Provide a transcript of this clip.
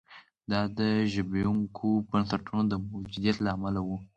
دا د زبېښونکو بنسټونو د موجودیت له امله و.